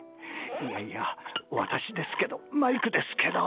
いやいや私ですけどマイクですけど。